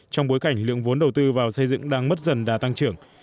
trong bối cảnh lượng vốn đầu tư vào xây dựng đang mất dần đã tăng trưởng